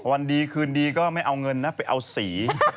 วันดีคืนดีก็ไม่เอาเงินนะไปเอาสี